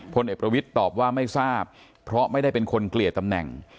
พลเอกประวิทย์ตอบว่าไม่ทราบเพราะไม่ได้เป็นคนเกลี่ยตำแหน่ง